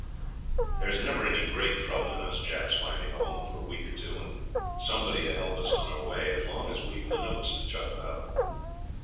There's never any great trouble in us chaps finding a home for a week or two, and somebody to help us on our way as long as we've the notes to chuck about.